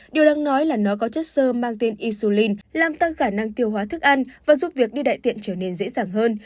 điều đáng nói là nó có chất sơ mang tên isulin làm tăng khả năng tiêu hóa thức ăn và giúp việc đi đại tiện trở nên dễ dàng hơn